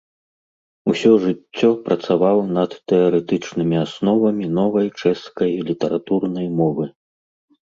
Усё жыццё працаваў над тэарэтычнымі асновамі новай чэшскай літаратурнай мовы.